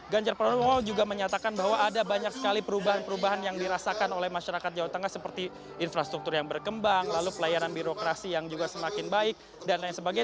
ganjar pranowo juga menyatakan bahwa ada banyak sekali perubahan perubahan yang dirasakan oleh masyarakat jawa tengah seperti infrastruktur yang berkembang lalu pelayanan birokrasi yang juga semakin baik dan lain sebagainya